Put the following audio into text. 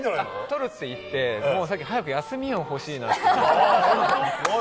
取るっていって、早く休みを欲しいなって。